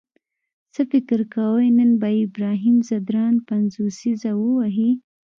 څه فکر کوئ نن به ابراهیم ځدراڼ پنځوسیزه ووهي؟